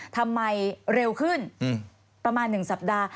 ทำไมเร็วขึ้นประมาณ๑สัปดาห์